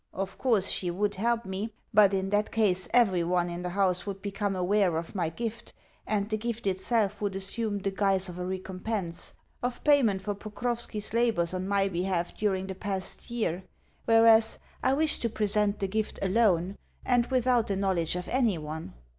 Of course she would help me, but in that case every one in the house would become aware of my gift, and the gift itself would assume the guise of a recompense of payment for Pokrovski's labours on my behalf during the past year; whereas, I wished to present the gift ALONE, and without the knowledge of anyone.